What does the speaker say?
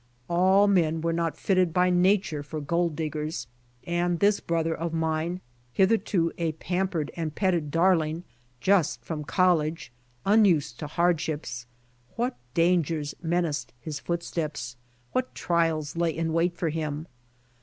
All men were not fitted by nature for gold diggers, and this brother of mine, — hitherto a pam 58 BY ox TEAM TO CALIFORNIA pered and petted darling, just from college, unused to hardships, — what dangers menaced his footsteps. What trials lay in wait for him!